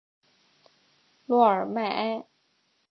洛尔迈埃。